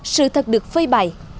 sự thật được phơi bày